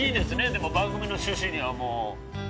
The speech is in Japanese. でも番組の趣旨にはもう。